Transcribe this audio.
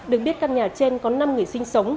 được biết căn nhà trên có năm người sinh sống